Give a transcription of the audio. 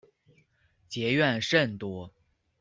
结怨甚多。